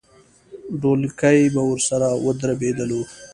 ډولکی به ورسره ودربېدلو.